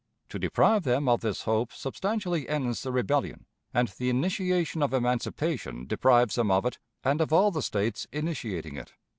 To deprive them of this hope substantially ends the rebellion, and the initiation of emancipation deprives them of it and of all the States initiating it."